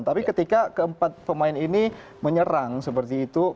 tapi ketika keempat pemain ini menyerang seperti itu